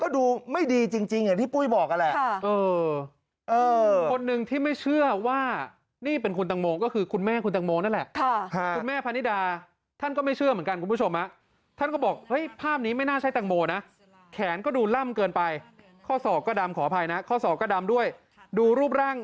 ดูไม่ดีจริงอย่างที่ปุ้ยบอกนั่นแหละคนหนึ่งที่ไม่เชื่อว่านี่เป็นคุณตังโมก็คือคุณแม่คุณตังโมนั่นแหละคุณแม่พนิดาท่านก็ไม่เชื่อเหมือนกันคุณผู้ชมท่านก็บอกเฮ้ยภาพนี้ไม่น่าใช่แตงโมนะแขนก็ดูล่ำเกินไปข้อศอกก็ดำขออภัยนะข้อศอกก็ดำด้วยดูรูปร่าง